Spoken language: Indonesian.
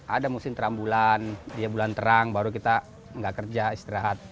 ada musim terambulan dia bulan terang baru kita nggak kerja istirahat